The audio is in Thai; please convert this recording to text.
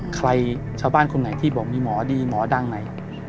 ใครชาวบ้านคนไหนที่บอกมีหมอดีหมอดังไหน